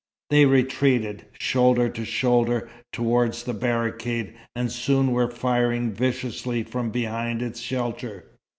They retreated, shoulder to shoulder, towards the barricade, and soon were firing viciously from behind its shelter.